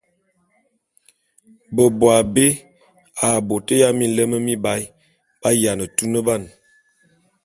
Beboabé a bôt ya minlem mibaé b’ayiane tuneban.